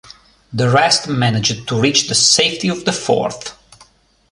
The rest managed to reach the safety of the Fort.